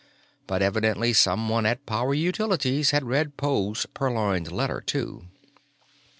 But evidently someone at Power Utilities had read Poe's "Purloined Letter," too.